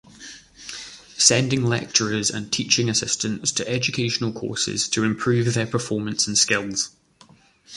Sending lecturers and teaching assistants to educational courses to improve their performance and skills.